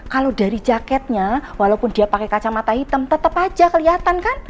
kalo dari jaketnya walaupun dia pake kacamata hitam tetep aja keliatan kan